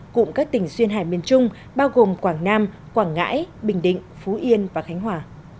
cụm các tỉnh duyên hải miền trung bao gồm quảng nam quảng ngãi bình định phú yên và khánh hòa